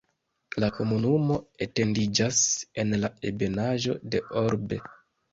La komunumo etendiĝas en la ebenaĵo de Orbe.